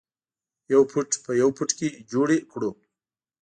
یو فټ په یو فټ کې جوړې کړو.